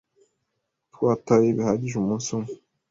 Twatwaye bihagije umunsi umwe.